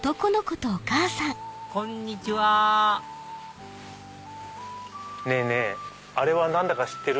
こんにちはねぇねぇあれは何か知ってる？